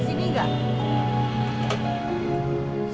dek tau gini gak